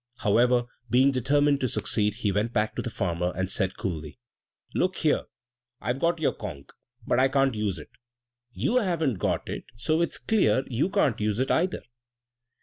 However, being determined to succeed he went back to the farmer, and said, coolly, "Look here; I've got your conch, but I can't use it; you haven't got it, so it's clear you can't use it either.